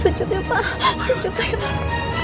sujud ya pak sujud ya pak